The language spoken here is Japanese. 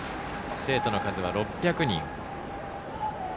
生徒の数は６００人。